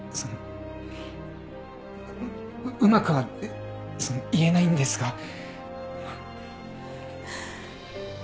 うっうまくはその言えないんですが。